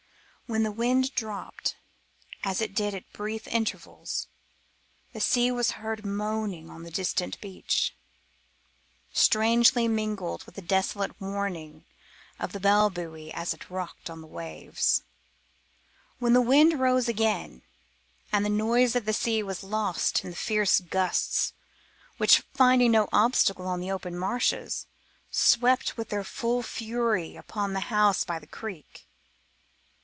When the wind dropped, as it did at brief intervals, the sea was heard moaning on the distant beach, strangely mingled with the desolate warning of the bell buoy as it rocked to the waves. Then the wind rose again, and the noise of the sea was lost in the fierce gusts which, finding no obstacle on the open marshes, swept with their full fury upon the house by the creek.